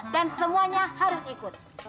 dan semuanya harus ikut